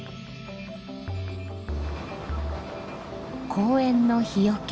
公園の日よけ。